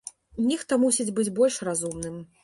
Нехта мусіць быць больш разумным.